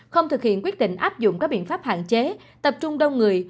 không thực hiện quyết định áp dụng các biện pháp hạn chế tập trung đông người